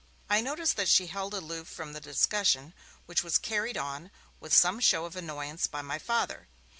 I noticed that she held aloof from the discussion, which was carried on with some show of annoyance by my Father.